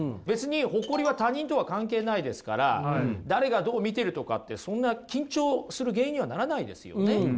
別に誇りは他人とは関係ないですから誰がどう見てるとかってそんな緊張する原因にはならないですよね。